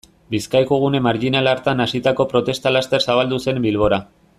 Bizkaiko gune marjinal hartan hasitako protesta laster zabaldu zen Bilbora.